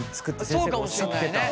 そうかもしれないね！